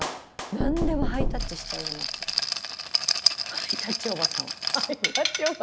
ハイタッチおばさん。